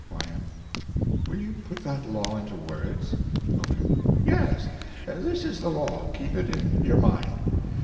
Y.M. Will you put that law into words? O.M. Yes. This is the law, keep it in your mind.